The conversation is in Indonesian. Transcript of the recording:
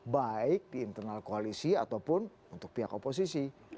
baik di internal koalisi ataupun untuk pihak oposisi